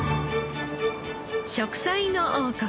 『食彩の王国』。